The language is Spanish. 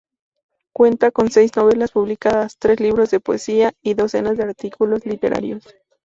Cuenta con seis novelas publicadas, tres libros de poesía y docenas de artículos literarios.